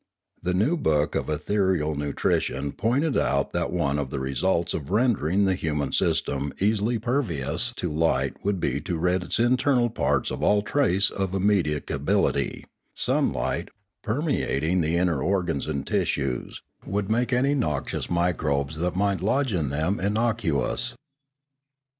The new book of Ethereal Nutrition pointed out that one of the results of rendering the human sys tem easily pervious to light would be to rid its internal parts of all trace of immedicability ; sunlight, permeat ing the inner organs and tissues, would make any noxious microbes that might lodge in them innocuous.